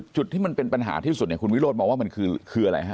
จุดที่มันเป็นปัญหาที่สุดคุณวิโรธบอกว่ามันคืออะไรครับ